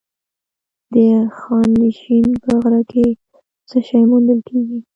د خانشین په غره کې څه شی موندل کیږي؟